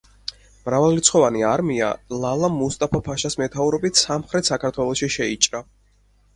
მრავალრიცხოვანი არმია ლალა მუსტაფა-ფაშას მეთაურობით სამხრეთ საქართველოში შეიჭრა.